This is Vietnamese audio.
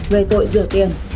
về tội rửa tiền